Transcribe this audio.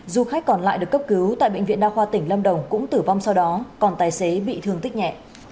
du khách còn lại được cấp cứu tại bệnh viện đa khoa tỉnh lâm đồng cũng tử vong sau đó còn tài xế bị thương tích nhẹ